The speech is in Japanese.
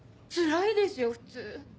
つらいですよ普通。